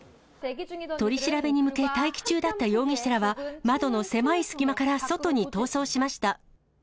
取り調べに向け待機中だった容疑者らは、窓の狭い隙間から外に逃走しました。